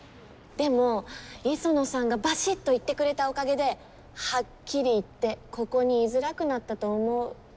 でも磯野さんがバシッと言ってくれたおかげではっきり言ってここに居づらくなったと思う。